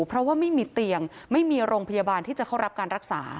เพราะว่าไม่มีเตียงไม่มีโรงพยาบาลที่จะเข้ารับการรักษา